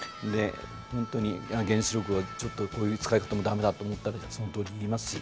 本当に原子力はちょっとこういう使い方ダメだと思ったらそのとおりに言いますし。